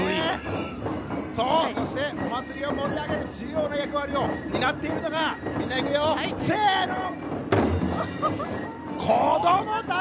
そしてお祭りを盛り上げる重要な役割を担っているのがみんないくよ、せーの！